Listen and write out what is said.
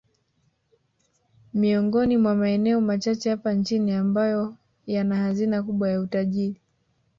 Miongoni mwa maeneo machache hapa nchini ambayo yana hazina kubwa ya utajiri